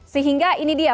sehingga ini dia